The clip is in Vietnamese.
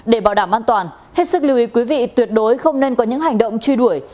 để bảo đảm an toàn hết sức lưu ý quý vị tuyệt đối không nên có những hành động truy đuổi